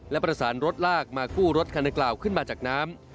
และประสานรถลากมากู้รถคันดังกล่าวขึ้นมาจากน้ำ